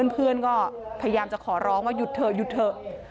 เพื่อนก็พยายามจะขอร้องว่าหยุดเถอะ